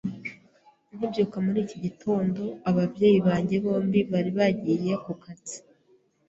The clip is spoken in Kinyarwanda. Nkibyuka muri iki gitondo, ababyeyi banjye bombi bari bagiye ku kazi.